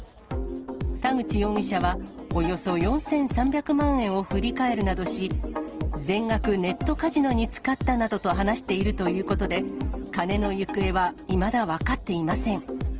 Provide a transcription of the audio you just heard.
田口容疑者はおよそ４３００万円を振り替えるなどし、全額ネットカジノに使ったなどと話しているということで、金の行方はいまだ分かっていません。